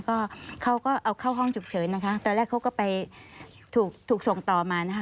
ก็เขาก็เอาเข้าห้องฉุกเฉินนะคะตอนแรกเขาก็ไปถูกถูกส่งต่อมานะคะ